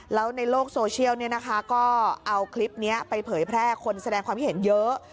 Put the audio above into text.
แล้วในโลกโซเชียลก็เอาคลิปนี้ไปเผยแพร่คนแสดงความคิดเห็นเยอะ